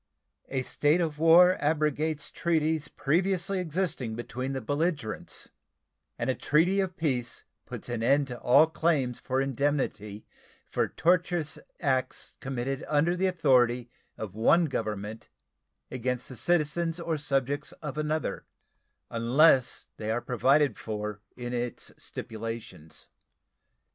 A state of war abrogates treaties previously existing between the belligerents and a treaty of peace puts an end to all claims for indemnity for tortious acts committed under the authority of one government against the citizens or subjects of another unless they are provided for in its stipulations.